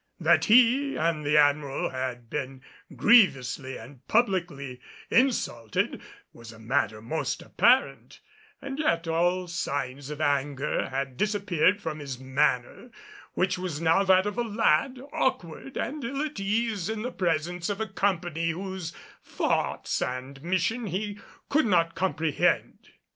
That he and the Admiral had been grievously and publicly insulted was a matter most apparent; and yet all signs of anger had disappeared from his manner, which was now that of a lad awkward and ill at ease in the presence of a company whose thoughts and mission he could not comprehend.